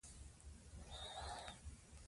ځانبسیاینه د هر ملت هیله وي.